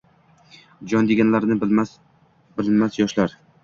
Jodi deganlarin bilishmas yoshlar